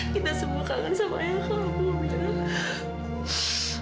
kita semua kangen sama ayah kamu amira